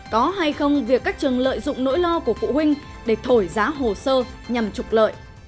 có hay không việc các trường lợi dụng nỗi lo của phụ huynh để thổi giá hồ sơ nhằm trục lợi